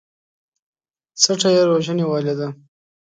څټه يې ژوره نيولې ده